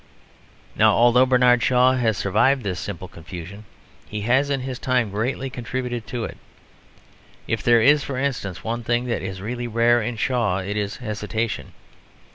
Now although Bernard Shaw has survived this simple confusion, he has in his time greatly contributed to it. If there is, for instance, one thing that is really rare in Shaw it is hesitation.